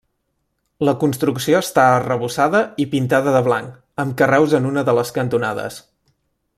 La construcció està arrebossada i pintada de blanc, amb carreus en una de les cantonades.